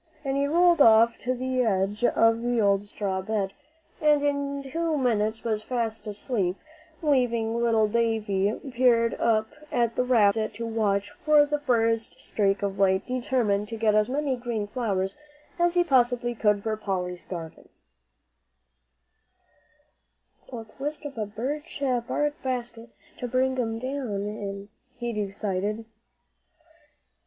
and he rolled off to the edge of the old straw bed, and in two minutes was fast asleep, leaving little Davie peering up at the rafters to watch for the first streak of light, determined to get as many green flowers as he possibly could for Polly's garden. "I'll twist up a birch bark basket, to bring 'em down in," he decided.